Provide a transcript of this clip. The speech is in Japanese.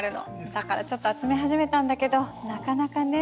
だからちょっと集め始めたんだけどなかなかね。